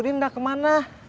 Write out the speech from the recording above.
bos udin udah kemana